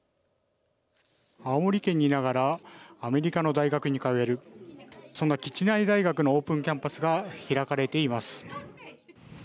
青森県にいながらアメリカの大学に通えるそんな基地内大学のオープンキャンパスが開かれています。